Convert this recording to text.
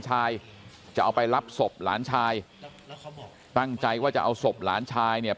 จะเอาไปรับศพหลานชายตั้งใจว่าจะเอาศพหลานชายเนี่ย